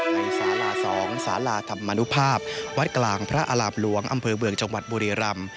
ในศาลาสองศาลาธรรมนุภาพวัดกลางพระอาหลาบลวงอำเภอเบืองจังหวัดบุรีรัมน์